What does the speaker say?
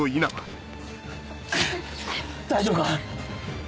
大丈夫か？